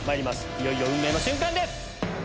いよいよ運命の瞬間です！